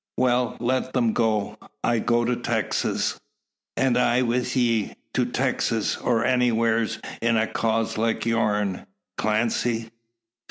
Well, let them go! I go to Texas." "An' I with ye. To Texas, or anywhars, in a cause like your'n, Clancy.